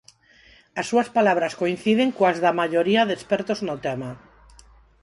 As súas palabras coinciden coas da maioría de expertos no tema.